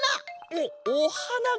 おっおはなか！